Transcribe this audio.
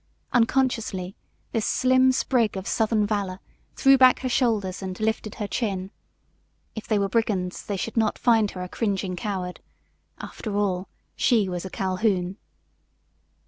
Unconsciously this slim sprig of southern valor threw back her shoulders and lifted her chin. If they were brigands they should not find her a cringing coward. After all, she was a Calhoun.